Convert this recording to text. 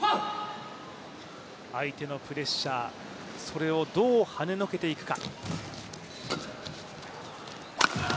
相手のプレッシャー、それをどうはねのけていくか。